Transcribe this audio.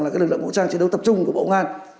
là cái lực lượng vũ trang chiến đấu tập trung của bộ ngoan